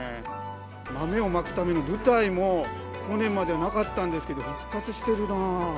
豆をまくための舞台も、去年まではなかったんですけど、復活してるな。